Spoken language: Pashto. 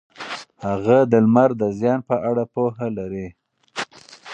هغه د لمر د زیان په اړه پوهه لري.